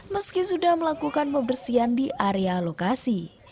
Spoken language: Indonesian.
meski sudah melakukan pembersihan di area lokasi